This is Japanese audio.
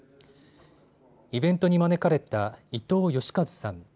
イベントに招かれた伊藤嘉一さん。